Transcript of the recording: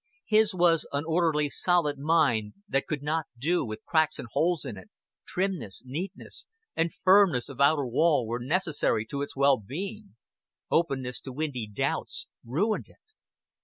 His was an orderly solid mind that could not do with cracks and holes in it, trimness, neatness, and firmness of outer wall were necessary to its well being; openness to windy doubts ruined it.